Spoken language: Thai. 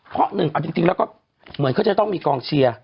เพราะหนึ่งเอาจริงแล้วก็เหมือนเขาจะต้องมีกองเชียร์